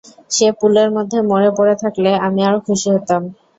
সে পুলের মধ্যে মরে পড়ে থাকলে আমি আরো খুশি হতাম।